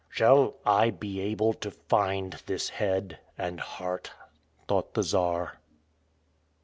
"Shall I be able to find this head and heart?" thought the Czar.